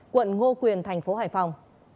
quận ngo quyền thành phố hải phòng